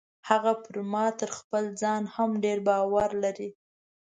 هغه پر ما تر خپل ځان هم ډیر باور لري.